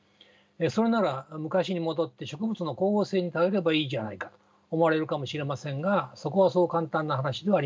それなら昔に戻って植物の光合成に頼ればいいじゃないか思われるかもしれませんがそこはそう簡単な話ではありません。